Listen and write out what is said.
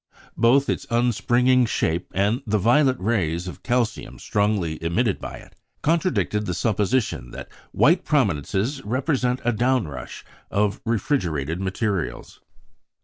Both its unspringing shape, and the violet rays of calcium strongly emitted by it, contradicted the supposition that "white prominences" represent a downrush of refrigerated materials.